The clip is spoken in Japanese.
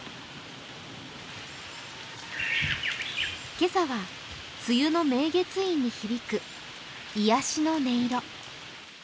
今朝は梅雨の明月院に響く癒やしの音色。